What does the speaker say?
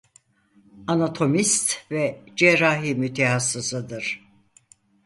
Anatomist ve Cerrahi Mütehassısıdır.